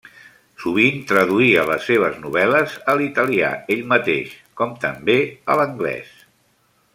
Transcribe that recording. Sovint traduïa les seves novel·les a l'italià ell mateix, com també a l'anglès.